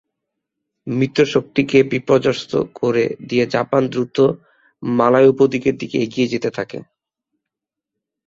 মিত্রশক্তি কে বিপর্যস্ত করে দিয়ে জাপান দ্রুত মালয় উপদ্বীপের দিকে এগিয়ে যেতে থাকে।